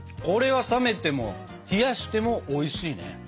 これは冷めても冷やしてもおいしいね。